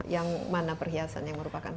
yang mana perhiasan yang merupakan